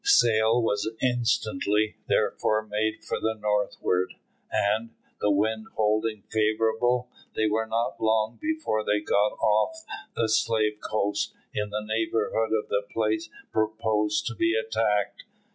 Sail was instantly, therefore, made for the northward, and, the wind holding favourable, they were not long before they got off the slave coast in the neighbourhood of the place proposed to be attacked.